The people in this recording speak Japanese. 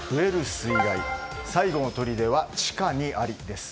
水害最後のとりでは地下にありです。